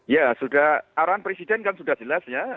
ya sudah arahan presiden kan sudah jelas ya